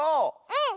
うん！